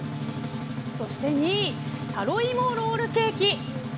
そして２位タロイモロールケーキ。